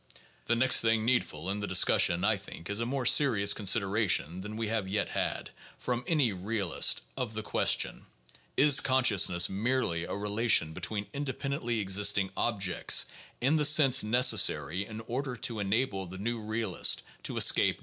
The next thing needful in the discussion, I think, is a more serious considera tion than we have yet had (from any realist) of the question: 2 7s consciousness merely a relation between independently existing ob jects, in the sense necessary in order to enable the new realist to es cape dualism?